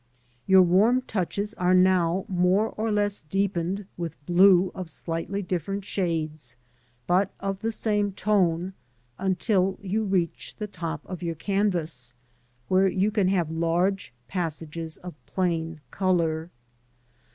Your warm touches are now more or less deepened with blue of slightly different shades, but of the same tone, until you reach the top of your canvas, where you can have large passages of plain colour.